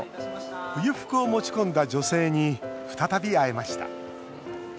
冬服を持ち込んだ女性に再び会えました。